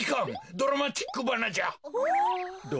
ドラマチックばな？